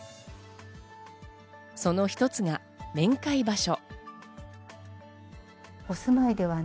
その一つが面会場所。